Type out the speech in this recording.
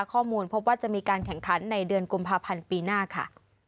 ข้อมูลพบว่าจะมีการแข่งขันในเดือนกุมภาพันธ์ปีหน้าค่ะ